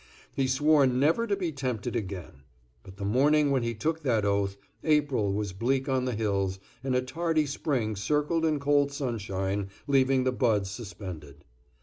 He swore never to be tempted again, but the morning when he took that oath, April was bleak on the hills, and a tardy spring circled in cold sunshine, leaving the buds suspended.